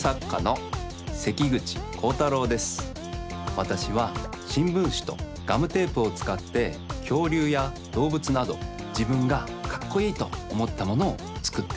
わたしはしんぶんしとガムテープをつかってきょうりゅうやどうぶつなどじぶんがかっこいいとおもったものをつくっています。